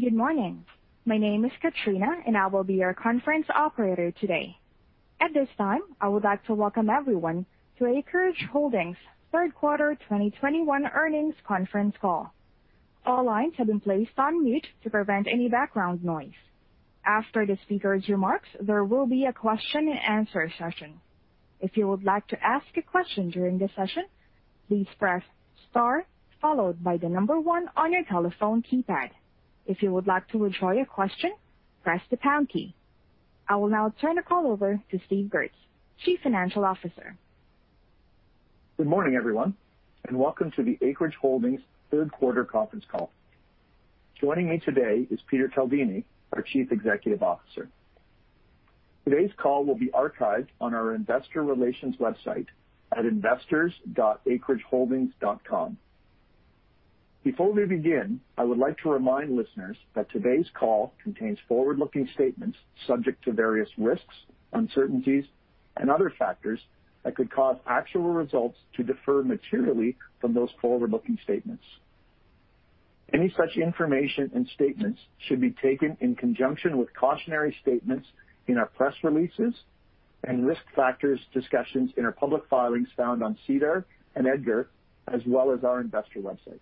Good morning. My name is Katrina, and I will be your conference operator today. At this time, I would like to welcome everyone to Acreage Holdings 3rd quarter 2021 earnings conference call. All lines have been placed on mute to prevent any background noise. After the speaker's remarks, there will be a question and answer session. If you would like to ask a question during this session, please press star followed by the number 1 on your telephone keypad. If you would like to withdraw your question, press the pound key. I will now turn the call over to Steve Goertz, Chief Financial Officer. Good morning, everyone, and welcome to the Acreage Holdings 3rd quarter conference call. Joining me today is Peter Caldini, our Chief Executive Officer. Today's call will be archived on our investor relations website at investors.acreageholdings.com. Before we begin, I would like to remind listeners that today's call contains forward-looking statements subject to various risks, uncertainties, and other factors that could cause actual results to differ materially from those forward-looking statements. Any such information and statements should be taken in conjunction with cautionary statements in our press releases and risk factors discussions in our public filings found on SEDAR and EDGAR as well as our investor website.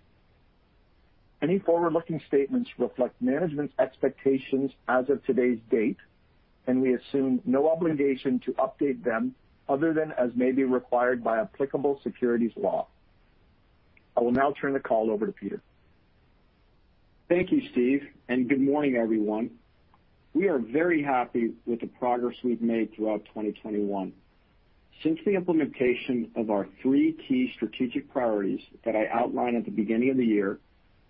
Any forward-looking statements reflect management's expectations as of today's date, and we assume no obligation to update them other than as may be required by applicable securities law. I will now turn the call over to Peter. Thank you, Steve, and good morning, everyone. We are very happy with the progress we've made throughout 2021. Since the implementation of our 3 key strategic priorities that I outlined at the beginning of the year,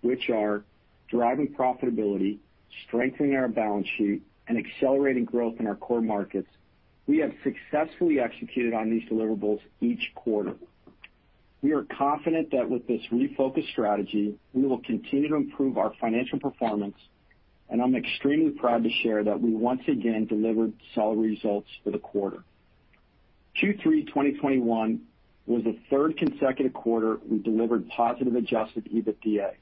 which are driving profitability, strengthening our balance sheet, and accelerating growth in our core markets, we have successfully executed on these deliverables each quarter. We are confident that with this refocused strategy, we will continue to improve our financial performance. I'm extremely proud to share that we once again delivered solid results for the quarter. Q3 2021 was the third consecutive quarter we delivered positive adjusted EBITDA.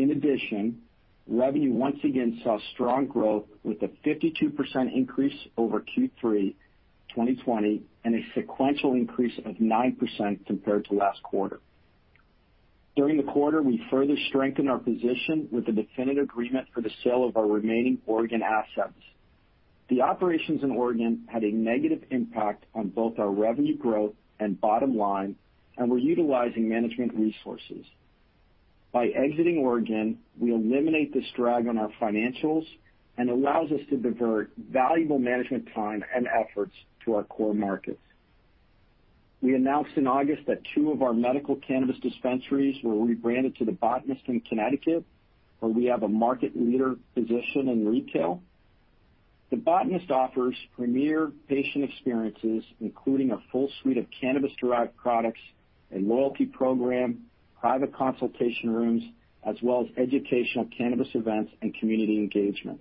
In addition, revenue once again saw strong growth with a 52% increase over Q3 2020 and a sequential increase of 9% compared to last quarter. During the quarter, we further strengthened our position with the definitive agreement for the sale of our remaining Oregon assets. The operations in Oregon had a negative impact on both our revenue growth and bottom line and were utilizing management resources. By exiting Oregon, we eliminate this drag on our financials and allows us to divert valuable management time and efforts to our core markets. We announced in August that two of our medical cannabis dispensaries were rebranded to The Botanist in Connecticut, where we have a market leader position in retail. The Botanist offers premier patient experiences, including a full suite of cannabis-derived products, a loyalty program, private consultation rooms, as well as educational cannabis events and community engagement.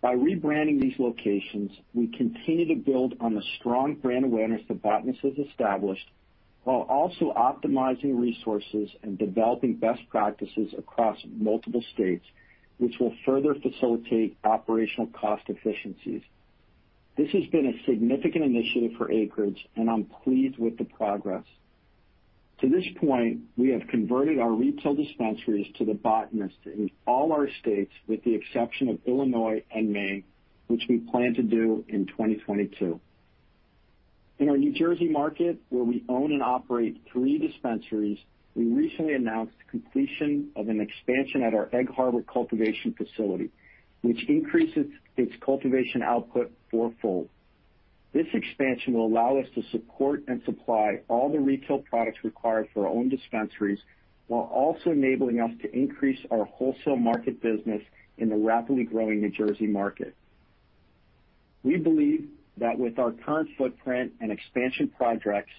By rebranding these locations, we continue to build on the strong brand awareness The Botanist has established while also optimizing resources and developing best practices across multiple states, which will further facilitate operational cost efficiencies. This has been a significant initiative for Acreage, and I'm pleased with the progress. To this point, we have converted our retail dispensaries to The Botanist in all our states with the exception of Illinois and Maine, which we plan to do in 2022. In our New Jersey market, where we own and operate 3 dispensaries, we recently announced completion of an expansion at our Egg Harbor cultivation facility, which increases its cultivation output four-fold. This expansion will allow us to support and supply all the retail products required for our own dispensaries while also enabling us to increase our wholesale market business in the rapidly growing New Jersey market. We believe that with our current footprint and expansion projects,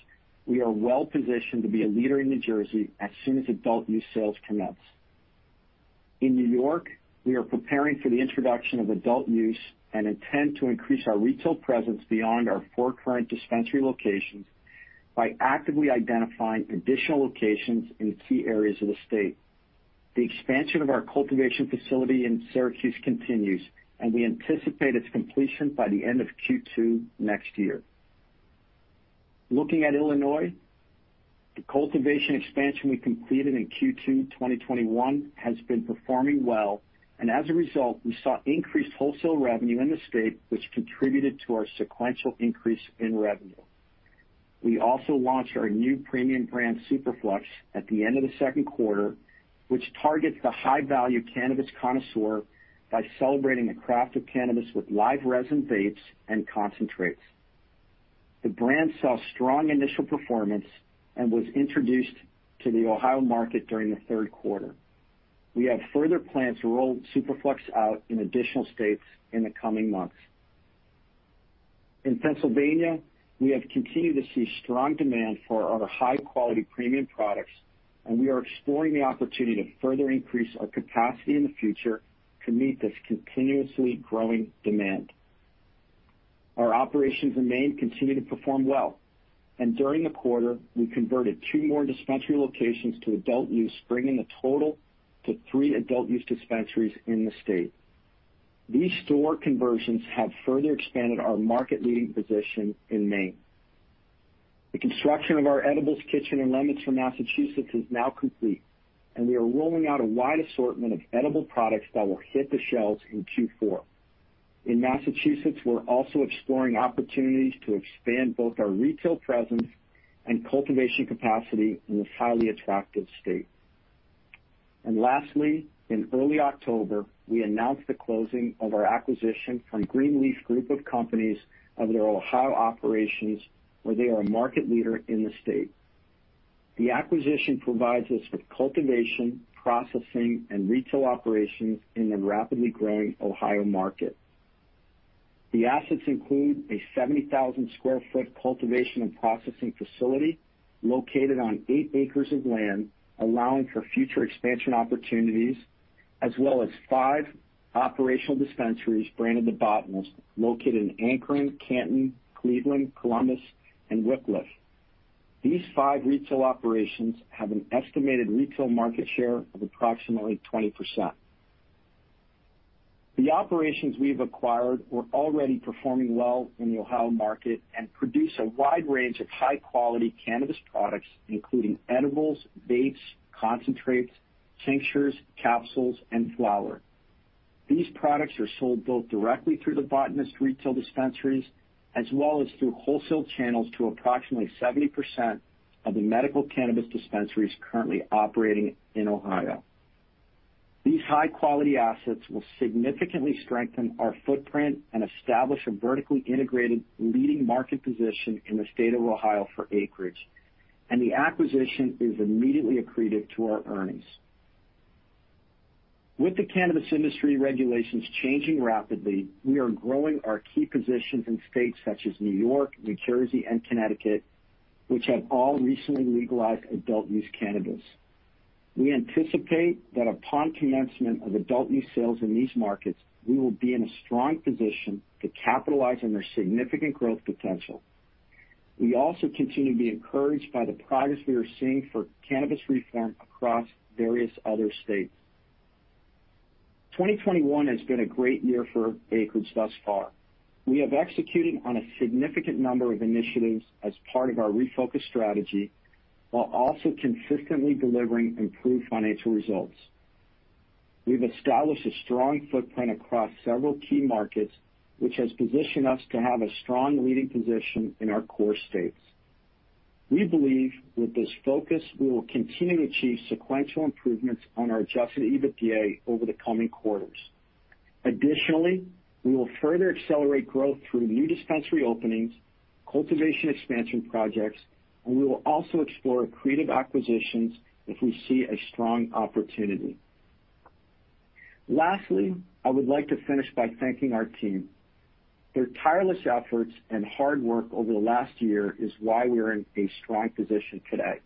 we are well-positioned to be a leader in New Jersey as soon as adult use sales commence. In New York, we are preparing for the introduction of adult use and intend to increase our retail presence beyond our four current dispensary locations by actively identifying additional locations in key areas of the state. The expansion of our cultivation facility in Syracuse continues, and we anticipate its completion by the end of Q2 next year. Looking at Illinois, the cultivation expansion we completed in Q2 2021 has been performing well, and as a result, we saw increased wholesale revenue in the state, which contributed to our sequential increase in revenue. We also launched our new premium brand, Superflux, at the end of the 2nd quarter, which targets the high-value cannabis connoisseur by celebrating the craft of cannabis with live resin vapes and concentrates. The brand saw strong initial performance and was introduced to the Ohio market during the 3rd quarter. We have further plans to roll Superflux out in additional states in the coming months. In Pennsylvania, we have continued to see strong demand for our high-quality premium products, and we are exploring the opportunity to further increase our capacity in the future to meet this continuously growing demand. Our operations in Maine continue to perform well. During the quarter, we converted 2 more dispensary locations to adult use, bringing the total to 3 adult use dispensaries in the state. These store conversions have further expanded our market-leading position in Maine. The construction of our edibles kitchen in Leominster for Massachusetts is now complete, and we are rolling out a wide assortment of edible products that will hit the shelves in Q4. In Massachusetts, we're also exploring opportunities to expand both our retail presence and cultivation capacity in this highly attractive state. Lastly, in early October, we announced the closing of our acquisition from Greenleaf Group of Companies of their Ohio operations, where they are a market leader in the state. The acquisition provides us with cultivation, processing, and retail operations in the rapidly growing Ohio market. The assets include a 70,000 sq ft cultivation and processing facility located on eight acres of land, allowing for future expansion opportunities, as well as five operational dispensaries branded The Botanist, located in Akron, Canton, Cleveland, Columbus, and Wickliffe. These five retail operations have an estimated retail market share of approximately 20%. The operations we've acquired were already performing well in the Ohio market and produce a wide range of high-quality cannabis products, including edibles, vapes, concentrates, tinctures, capsules, and flower. These products are sold both directly through The Botanist retail dispensaries, as well as through wholesale channels to approximately 70% of the medical cannabis dispensaries currently operating in Ohio. These high-quality assets will significantly strengthen our footprint and establish a vertically integrated leading market position in the state of Ohio for Acreage, and the acquisition is immediately accretive to our earnings. With the cannabis industry regulations changing rapidly, we are growing our key positions in states such as New York, New Jersey, and Connecticut, which have all recently legalized adult-use cannabis. We anticipate that upon commencement of adult use sales in these markets, we will be in a strong position to capitalize on their significant growth potential. We also continue to be encouraged by the progress we are seeing for cannabis reform across various other states. 2021 has been a great year for Acreage thus far. We have executed on a significant number of initiatives as part of our refocused strategy, while also consistently delivering improved financial results. We've established a strong footprint across several key markets, which has positioned us to have a strong leading position in our core states. We believe with this focus, we will continue to achieve sequential improvements on our adjusted EBITDA over the coming quarters. Additionally, we will further accelerate growth through new dispensary openings, cultivation expansion projects, and we will also explore accretive acquisitions if we see a strong opportunity. Lastly, I would like to finish by thanking our team. Their tireless efforts and hard work over the last year is why we are in a strong position today.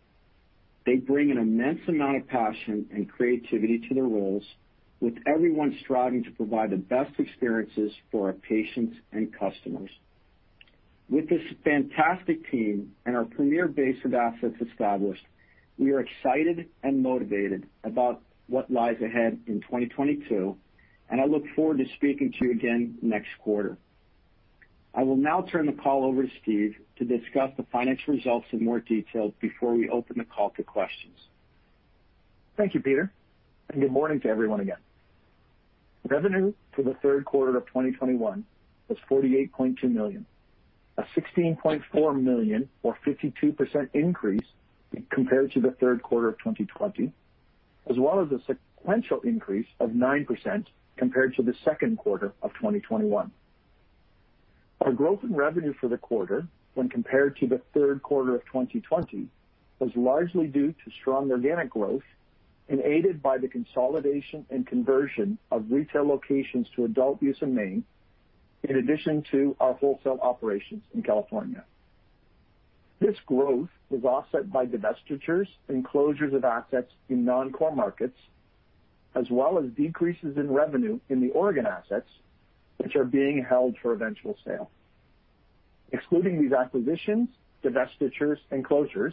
They bring an immense amount of passion and creativity to their roles, with everyone striving to provide the best experiences for our patients and customers. With this fantastic team and our premier base of assets established, we are excited and motivated about what lies ahead in 2022, and I look forward to speaking to you again next quarter. I will now turn the call over to Steve to discuss the financial results in more detail before we open the call to questions. Thank you, Peter, and good morning to everyone again. Revenue for the 3rd quarter of 2021 was $48.2 million, a $16.4 million or 52% increase compared to the 3rd quarter of 2020, as well as a sequential increase of 9% compared to the 2nd quarter of 2021. Our growth in revenue for the quarter when compared to the 3rd quarter of 2020 was largely due to strong organic growth and aided by the consolidation and conversion of retail locations to adult use in Maine, in addition to our wholesale operations in California. This growth was offset by divestitures and closures of assets in non-core markets, as well as decreases in revenue in the Oregon assets, which are being held for eventual sale. Excluding these acquisitions, divestitures, and closures,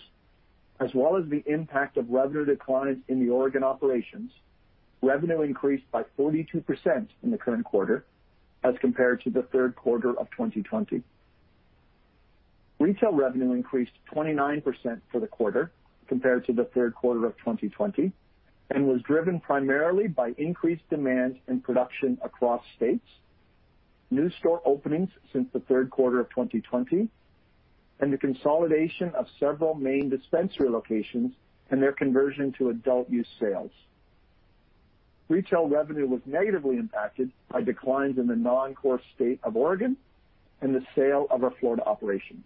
as well as the impact of revenue declines in the Oregon operations, revenue increased by 42% in the current quarter as compared to the 3rd quarter of 2020. Retail revenue increased 29% for the quarter compared to the 3rd quarter of 2020, and was driven primarily by increased demand and production across states, new store openings since the 3rd quarter of 2020, and the consolidation of several main dispensary locations and their conversion to adult use sales. Retail revenue was negatively impacted by declines in the non-core state of Oregon and the sale of our Florida operations.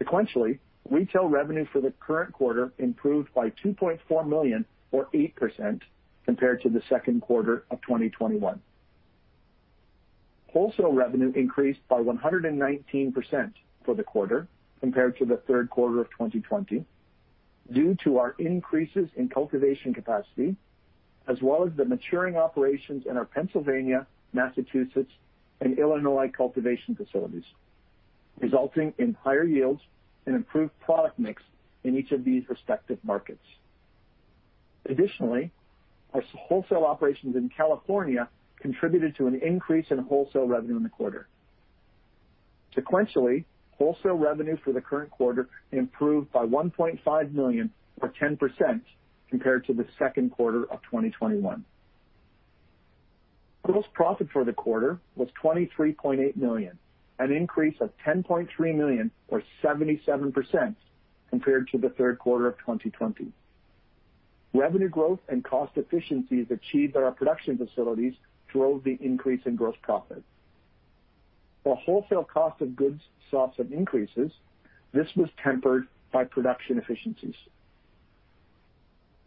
Sequentially, retail revenue for the current quarter improved by $2.4 million or 8% compared to the 2nd quarter of 2021. Wholesale revenue increased by 119% for the quarter compared to the 3rd quarter of 2020. Due to our increases in cultivation capacity, as well as the maturing operations in our Pennsylvania, Massachusetts, and Illinois cultivation facilities, resulting in higher yields and improved product mix in each of these respective markets. Additionally, our wholesale operations in California contributed to an increase in wholesale revenue in the quarter. Sequentially, wholesale revenue for the current quarter improved by $1.5 million or 10% compared to the 2nd quarter of 2021. Gross profit for the quarter was $23.8 million, an increase of $10.3 million or 77% compared to the 3rd quarter of 2020. Revenue growth and cost efficiencies achieved at our production facilities drove the increase in gross profit. While wholesale cost of goods saw some increases, this was tempered by production efficiencies.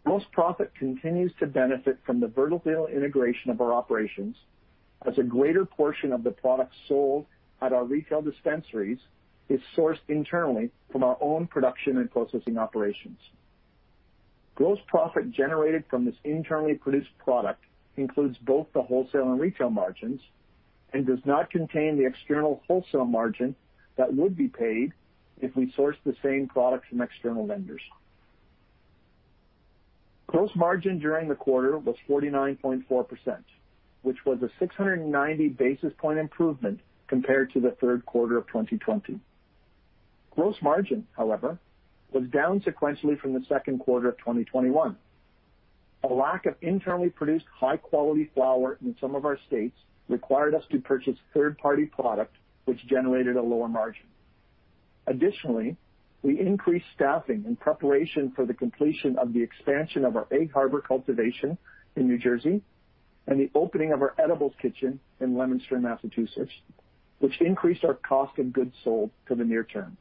Gross profit continues to benefit from the vertical integration of our operations, as a greater portion of the products sold at our retail dispensaries is sourced internally from our own production and processing operations. Gross profit generated from this internally produced product includes both the wholesale and retail margins and does not contain the external wholesale margin that would be paid if we sourced the same product from external vendors. Gross margin during the quarter was 49.4%, which was a 690 basis point improvement compared to the 3rd quarter of 2020. Gross margin, however, was down sequentially from the 2nd quarter of 2021. A lack of internally produced high-quality flower in some of our states required us to purchase third-party product, which generated a lower margin. Additionally, we increased staffing in preparation for the completion of the expansion of our Egg Harbor cultivation in New Jersey and the opening of our edibles kitchen in Leominster, Massachusetts, which increased our cost of goods sold for the near term.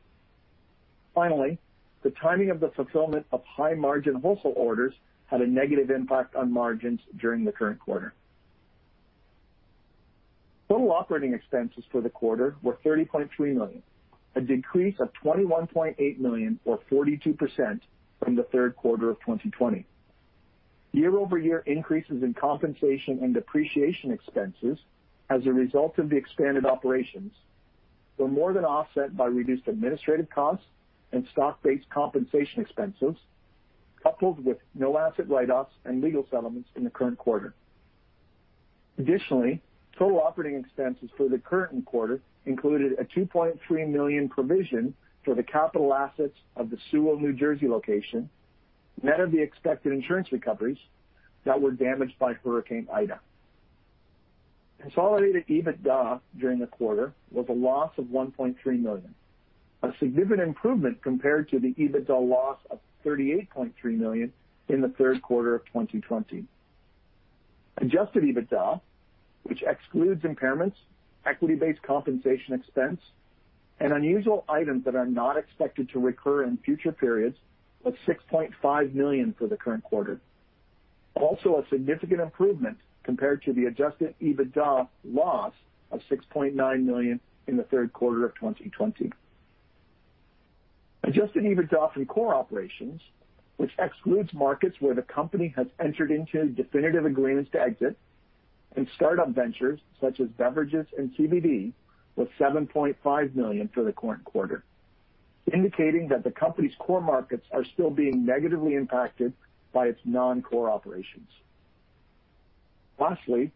Finally, the timing of the fulfillment of high-margin wholesale orders had a negative impact on margins during the current quarter. Total operating expenses for the quarter were $30.3 million, a decrease of $21.8 million or 42% from the 3rd quarter of 2020. Year-over-year increases in compensation and depreciation expenses as a result of the expanded operations were more than offset by reduced administrative costs and stock-based compensation expenses, coupled with no asset write-offs and legal settlements in the current quarter. Additionally, total operating expenses for the current quarter included a $2.3 million provision for the capital assets of the Sewell, New Jersey location, net of the expected insurance recoveries that were damaged by Hurricane Ida. Consolidated EBITDA during the quarter was a loss of $1.3 million, a significant improvement compared to the EBITDA loss of $38.3 million in the 3rd quarter of 2020. Adjusted EBITDA, which excludes impairments, equity-based compensation expense, and unusual items that are not expected to recur in future periods, was $6.5 million for the current quarter. Also a significant improvement compared to the adjusted EBITDA loss of $6.9 million in the 3rd quarter of 2020. Adjusted EBITDA from core operations, which excludes markets where the company has entered into definitive agreements to exit and start-up ventures such as beverages and CBD, was $7.5 million for the current quarter, indicating that the company's core markets are still being negatively impacted by its non-core operations. Lastly,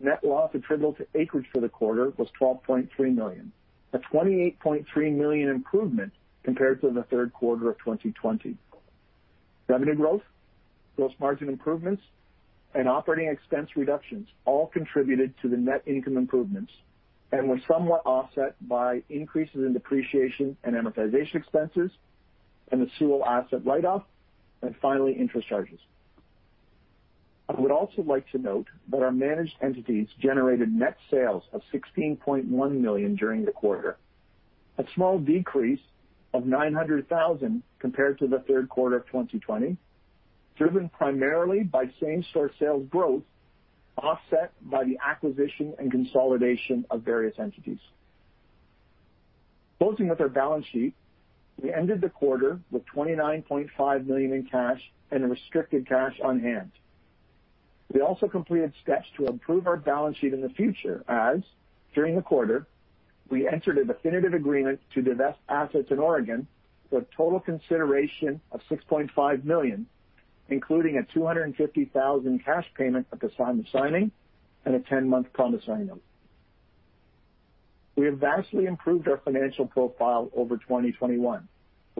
net loss attributable to Acreage for the quarter was $12.3 million, a $28.3 million improvement compared to the 3rd quarter of 2020. Revenue growth, gross margin improvements, and operating expense reductions all contributed to the net income improvements and were somewhat offset by increases in depreciation and amortization expenses and the Sewell asset write-off, and finally, interest charges. I would also like to note that our managed entities generated net sales of $16.1 million during the quarter, a small decrease of $900,000 compared to the 3rd quarter of 2020, driven primarily by same-store sales growth, offset by the acquisition and consolidation of various entities. Closing with our balance sheet, we ended the quarter with $29.5 million in cash and in restricted cash on hand. We also completed steps to improve our balance sheet in the future as, during the quarter, we entered a definitive agreement to divest assets in Oregon for a total consideration of $6.5 million, including a $250,000 cash payment at the time of signing and a 10-month promissory note. We have vastly improved our financial profile over 2021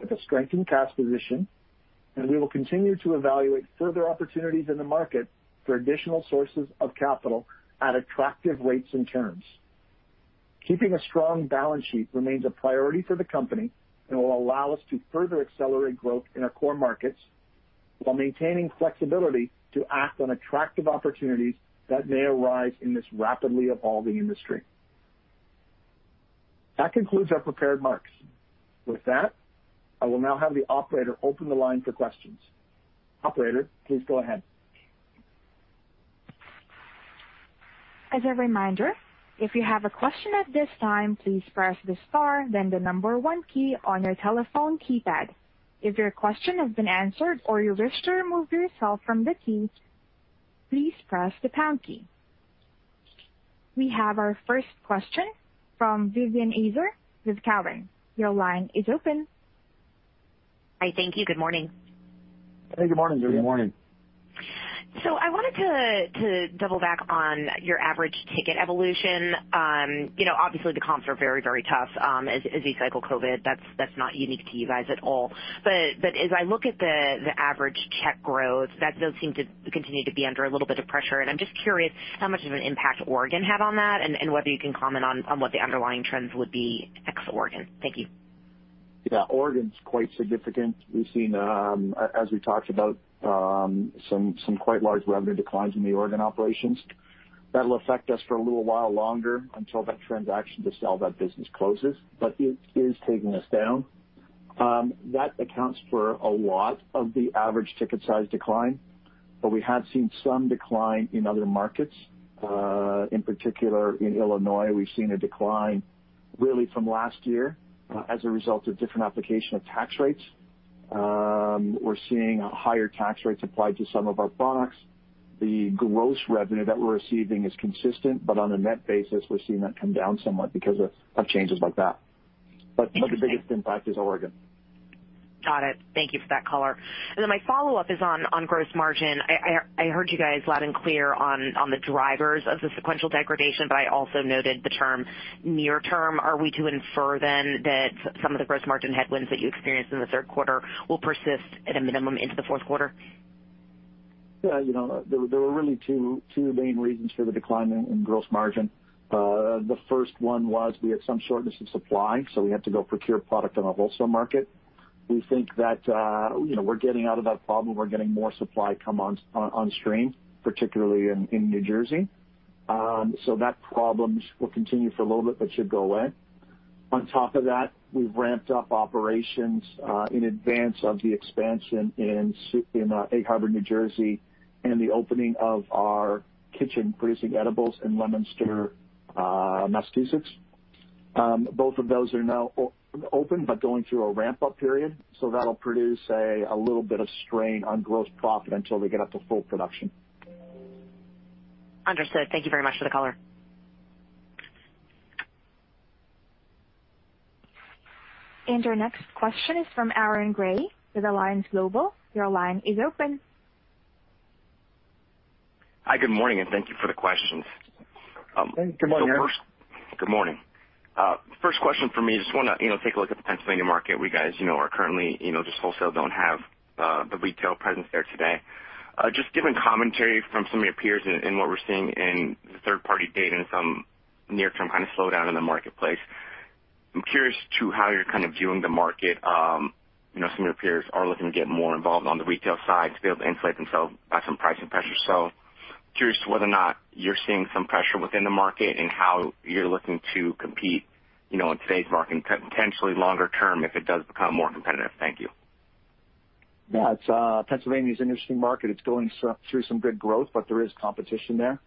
with a strengthened cash position, and we will continue to evaluate further opportunities in the market for additional sources of capital at attractive rates and terms. Keeping a strong balance sheet remains a priority for the company and will allow us to further accelerate growth in our core markets while maintaining flexibility to act on attractive opportunities that may arise in this rapidly evolving industry. That concludes our prepared remarks. With that, I will now have the operator open the line for questions. Operator, please go ahead. We have our first question from Vivien Azer with Cowen. Your line is open. Hi. Thank you. Good morning. Hey, good morning, Vivien. Good morning. I wanted to double back on your average ticket evolution. You know, obviously the comps are very tough as you cycle COVID. That's not unique to you guys at all. As I look at the average check growth, that does seem to continue to be under a little bit of pressure. I'm just curious how much of an impact Oregon had on that and whether you can comment on what the underlying trends would be ex Oregon. Thank you. Yeah. Oregon's quite significant. We've seen, as we talked about, some quite large revenue declines in the Oregon operations. That'll affect us for a little while longer until that transaction to sell that business closes, but it is taking us down. That accounts for a lot of the average ticket size decline, but we have seen some decline in other markets. In particular in Illinois, we've seen a decline really from last year, as a result of different application of tax rates. We're seeing higher tax rates applied to some of our products. The gross revenue that we're receiving is consistent, but on a net basis, we're seeing that come down somewhat because of changes like that. Thank you, Steve. The biggest impact is Oregon. Got it. Thank you for that color. My follow-up is on gross margin. I heard you guys loud and clear on the drivers of the sequential degradation, but I also noted the term near term. Are we to infer then that some of the gross margin headwinds that you experienced in the 3rd quarter will persist at a minimum into the 4th quarter? Yeah, you know, there were really two main reasons for the decline in gross margin. The first one was we had some shortness of supply, so we had to go procure product on the wholesale market. We think that, you know, we're getting out of that problem. We're getting more supply come on stream, particularly in New Jersey. So that problem will continue for a little bit, but should go away. On top of that, we've ramped up operations in advance of the expansion in Egg Harbor, New Jersey, and the opening of our kitchen producing edibles in Leominster, Massachusetts. Both of those are now open, but going through a ramp-up period. So that'll produce a little bit of strain on gross profit until they get up to full production. Understood. Thank you very much for the color. Our next question is from Aaron Grey with Alliance Global Partners. Your line is open. Hi. Good morning, and thank you for the questions. First Good morning, Aaron. Good morning. First question from me, just wanna, you know, take a look at the Pennsylvania market, where you guys, you know, are currently, you know, just wholesale, don't have the retail presence there today. Just given commentary from some of your peers and what we're seeing in the 3rd party data and some near term kind of slowdown in the marketplace, I'm curious to how you're kind of viewing the market. You know, some of your peers are looking to get more involved on the retail side to be able to insulate themselves by some pricing pressure. Curious to whether or not you're seeing some pressure within the market and how you're looking to compete, you know, in today's market and potentially longer term if it does become more competitive. Thank you. Yeah, it's Pennsylvania is an interesting market. It's going through some good growth, but there is competition there.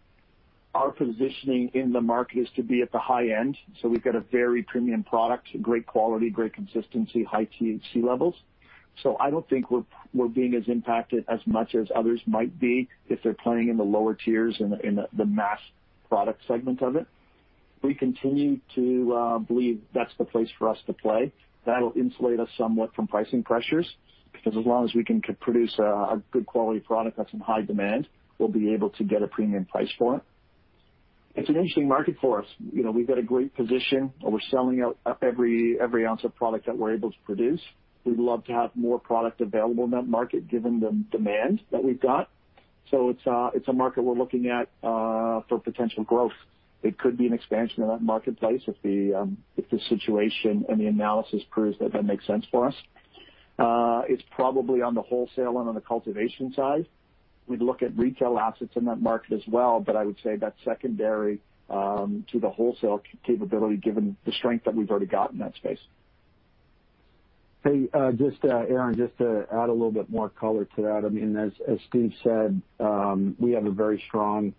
Our positioning in the market is to be at the high end, so we've got a very premium product, great quality, great consistency, high THC levels. So I don't think we're being as impacted as much as others might be if they're playing in the lower tiers in the mass product segment of it. We continue to believe that's the place for us to play. That'll insulate us somewhat from pricing pressures because as long as we can produce a good quality product that's in high demand, we'll be able to get a premium price for it. It's an interesting market for us. You know, we've got a great position, and we're selling out every ounce of product that we're able to produce. We'd love to have more product available in that market given the demand that we've got. It's a market we're looking at for potential growth. It could be an expansion in that marketplace if the situation and the analysis proves that makes sense for us. It's probably on the wholesale and on the cultivation side. We'd look at retail assets in that market as well, but I would say that's secondary to the wholesale capability given the strength that we've already got in that space. Hey, Aaron, just to add a little bit more color to that. I mean, as Steve said, we have a very strong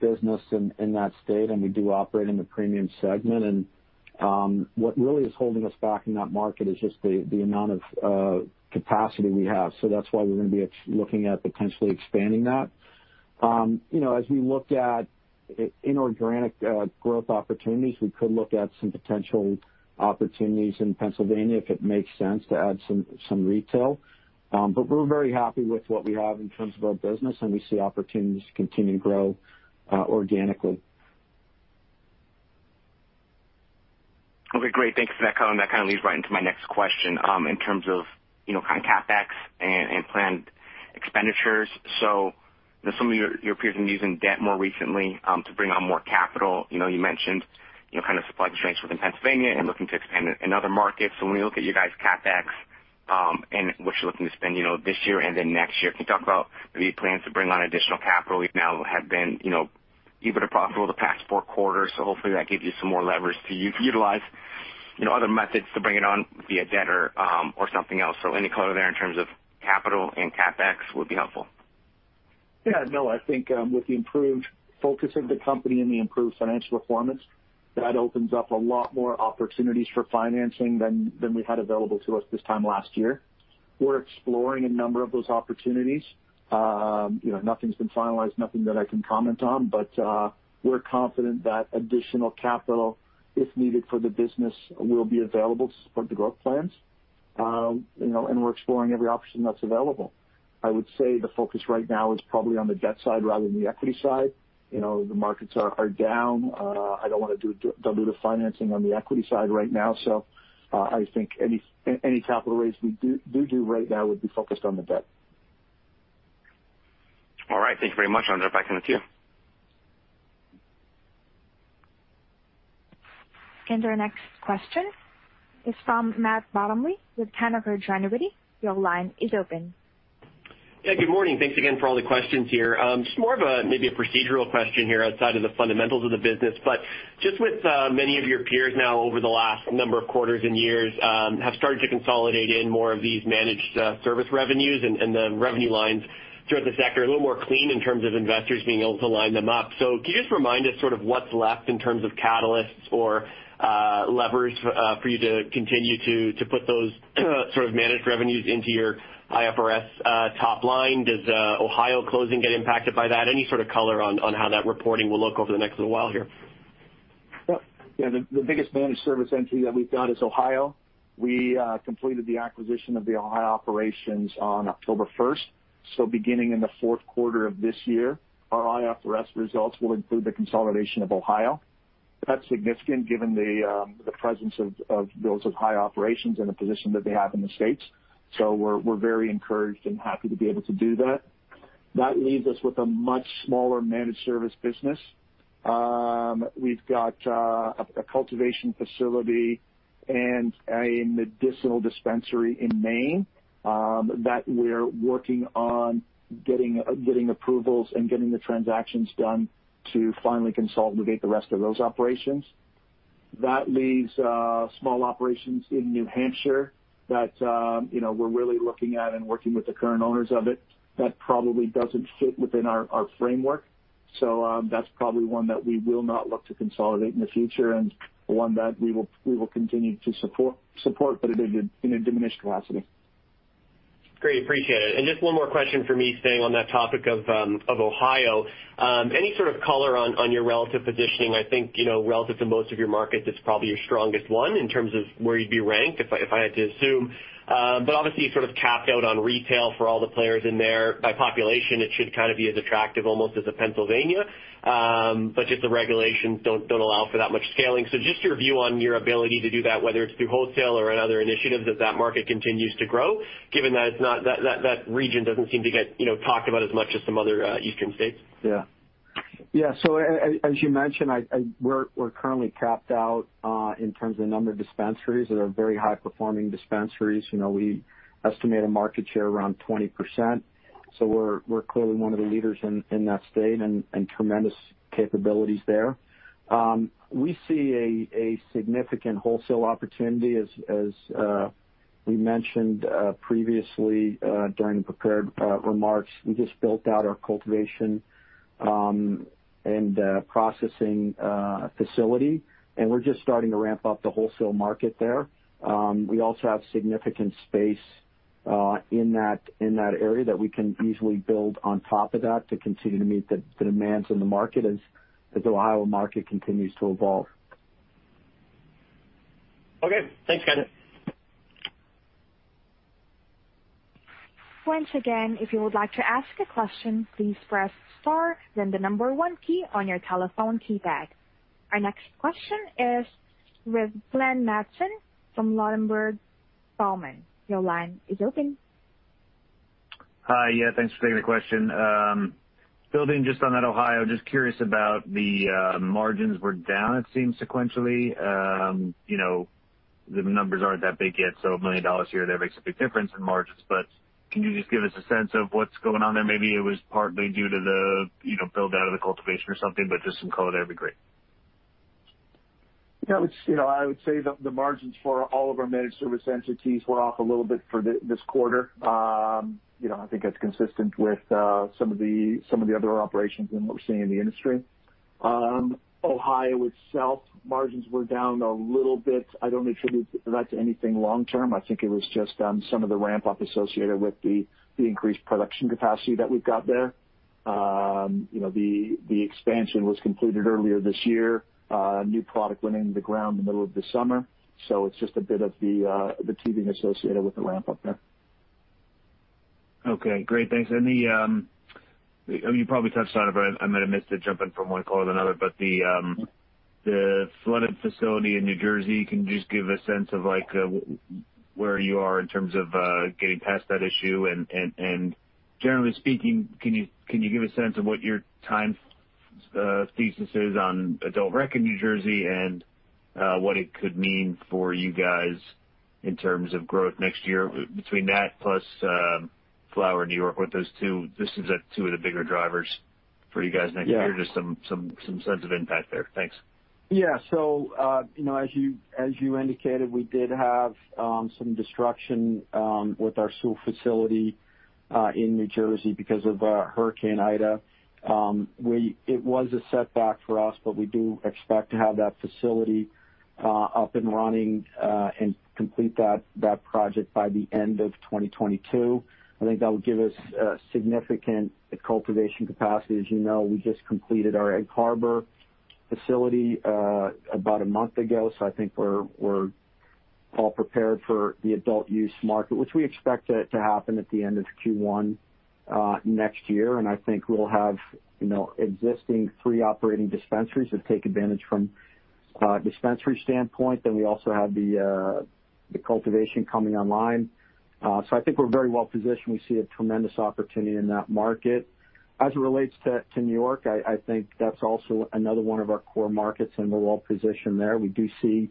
business in that state, and we do operate in the premium segment. What really is holding us back in that market is just the amount of capacity we have. That's why we're gonna be looking at potentially expanding that. You know, as we look at inorganic growth opportunities, we could look at some potential opportunities in Pennsylvania if it makes sense to add some retail. We're very happy with what we have in terms of our business, and we see opportunities to continue to grow organically. Okay, great. Thanks for that color, and that kind of leads right into my next question. In terms of, you know, kind of CapEx and planned expenditures. You know, some of your peers have been using debt more recently, to bring on more capital. You know, you mentioned, you know, kind of supply constraints within Pennsylvania and looking to expand in other markets. When you look at your guys' CapEx, and what you're looking to spend, you know, this year and then next year, can you talk about maybe plans to bring on additional capital? You now have been, you know, EBITDA profitable the past four quarters, so hopefully that gives you some more leverage to utilize, you know, other methods to bring it on via debt or something else. Any color there in terms of- Capital and CapEx would be helpful. Yeah, no, I think with the improved focus of the company and the improved financial performance, that opens up a lot more opportunities for financing than we had available to us this time last year. We're exploring a number of those opportunities. You know, nothing's been finalized, nothing that I can comment on, but we're confident that additional capital, if needed for the business, will be available to support the growth plans. You know, we're exploring every option that's available. I would say the focus right now is probably on the debt side rather than the equity side. You know, the markets are down. I don't wanna do dilutive financing on the equity side right now. I think any capital raise we do right now would be focused on the debt. All right. Thank you very much. I'll drop back in the queue. Our next question is from Matt Bottomley with Canaccord Genuity. Your line is open. Yeah, good morning. Thanks again for all the questions here. Just more of a, maybe a procedural question here outside of the fundamentals of the business. Just with many of your peers now over the last number of quarters and years, have started to consolidate in more of these managed service revenues and the revenue lines throughout the sector are a little more clean in terms of investors being able to line them up. Can you just remind us sort of what's left in terms of catalysts or levers for you to continue to put those sort of managed revenues into your IFRS top line? Does Ohio closing get impacted by that? Any sort of color on how that reporting will look over the next little while here? Yeah, yeah. The biggest managed service entity that we've got is Ohio. We completed the acquisition of the Ohio operations on October first. Beginning in the 4th quarter of this year, our IFRS results will include the consolidation of Ohio. That's significant given the presence of those Ohio operations and the position that they have in the States. We're very encouraged and happy to be able to do that. That leaves us with a much smaller managed service business. We've got a cultivation facility and a medicinal dispensary in Maine that we're working on getting approvals and getting the transactions done to finally consolidate the rest of those operations. That leaves small operations in New Hampshire that you know, we're really looking at and working with the current owners of it. That probably doesn't fit within our framework, so that's probably one that we will not look to consolidate in the future and one that we will continue to support, but in a diminished capacity. Great. Appreciate it. Just one more question from me, staying on that topic of Ohio. Any sort of color on your relative positioning? I think, you know, relative to most of your markets, it's probably your strongest one in terms of where you'd be ranked, if I had to assume. But obviously you're sort of capped out on retail for all the players in there. By population, it should kind of be as attractive almost as Pennsylvania, but just the regulations don't allow for that much scaling. Your view on your ability to do that, whether it's through wholesale or in other initiatives as that market continues to grow, given that that region doesn't seem to get, you know, talked about as much as some other eastern states. As you mentioned, we're currently capped out in terms of the number of dispensaries that are very high performing dispensaries. You know, we estimate a market share around 20%, so we're clearly one of the leaders in that state and tremendous capabilities there. We see a significant wholesale opportunity. As we mentioned previously during the prepared remarks, we just built out our cultivation and processing facility, and we're just starting to ramp up the wholesale market there. We also have significant space in that area that we can easily build on top of that to continue to meet the demands in the market as the Ohio market continues to evolve. Okay. Thanks, Steve. Once again, if you would like to ask a question, please press star then the number one key on your telephone keypad. Our next question is with Glenn Mattson from Ladenburg Thalmann. Your line is open. Hi. Yeah, thanks for taking the question. Building just on that Ohio, just curious about the margins were down it seems sequentially. You know, the numbers aren't that big yet, so $1 million here or there makes a big difference in margins, but can you just give us a sense of what's going on there? Maybe it was partly due to the, you know, build out of the cultivation or something, but just some color there would be great. Yeah, which you know I would say the margins for all of our managed service entities were off a little bit for this quarter. You know I think that's consistent with some of the other operations and what we're seeing in the industry. Ohio itself, margins were down a little bit. I don't attribute that to anything long term. I think it was just some of the ramp up associated with the increased production capacity that we've got there. You know the expansion was completed earlier this year. New product went into the ground in the middle of the summer. So it's just a bit of the teething associated with the ramp up there. Okay. Great. Thanks. Any... You probably touched on it, but I might have missed it jumping from one call to another, but the flooded facility in New Jersey, can you just give a sense of like where you are in terms of getting past that issue? Generally speaking, can you give a sense of what your timing thesis is on adult rec in New Jersey and what it could mean for you guys in terms of growth next year between that plus flower in New York? What those 2 are like 2 of the bigger drivers for you guys next year, just some sense of impact there. Thanks. Yeah. So, you know, as you indicated, we did have some disruption with our Sewell facility in New Jersey because of Hurricane Ida. It was a setback for us, but we do expect to have that facility up and running and complete that project by the end of 2022. I think that would give us significant cultivation capacity. As you know, we just completed our Egg Harbor facility about a month ago, so I think we're all prepared for the adult use market, which we expect to happen at the end of Q1 next year. I think we'll have, you know, existing 3 operating dispensaries that take advantage from dispensary standpoint. We also have the cultivation coming online. So I think we're very well positioned. We see a tremendous opportunity in that market. As it relates to New York, I think that's also another one of our core markets, and we're well positioned there. We do see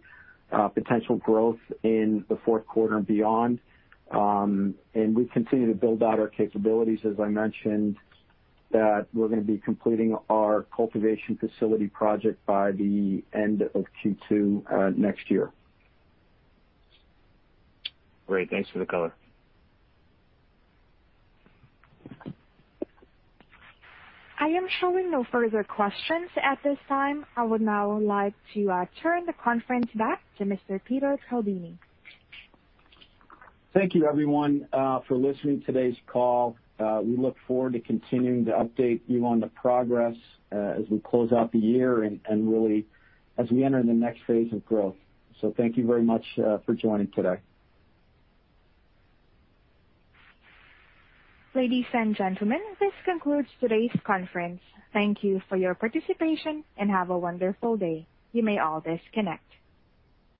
potential growth in the 4th quarter and beyond. We continue to build out our capabilities. As I mentioned that we're gonna be completing our cultivation facility project by the end of Q2 next year. Great. Thanks for the color. I am showing no further questions at this time. I would now like to turn the conference back to Mr. Peter Caldini. Thank you, everyone, for listening today's call. We look forward to continuing to update you on the progress, as we close out the year and really as we enter the next phase of growth. Thank you very much for joining today. Ladies and gentlemen, this concludes today's conference. Thank you for your participation and have a wonderful day. You may all disconnect.